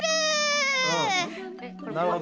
なるほど。